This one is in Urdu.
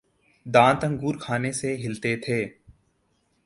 دانت انگور کھانے سے ہلتے تھے